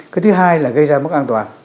cái thứ hai là gây ra mất an toàn